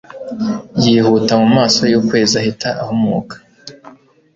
yihuta mu maso y'ukwezi ahita ahumuka